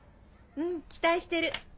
うん期待してる。